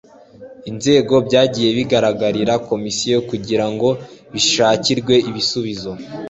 nzego byagiye bigaragarira Komisiyo kugira ngo bishakirwe ibisubizo